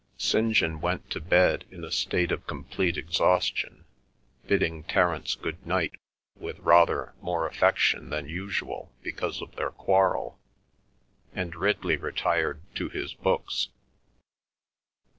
St. John went to bed in a state of complete exhaustion, bidding Terence good night with rather more affection than usual because of their quarrel, and Ridley retired to his books.